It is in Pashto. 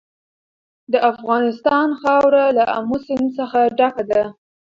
د افغانستان خاوره له آمو سیند څخه ډکه ده.